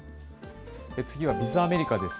次はＢｉｚアメリカです。